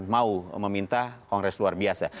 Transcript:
mau meminta kongres luar biasa